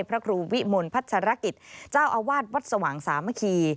พระครูวิมลพัชรกิจเจ้าอาวาสวัดสว่างสามัคคี